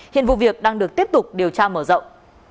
hiện vụ việc đang được tiếp tục điều tra mở rộng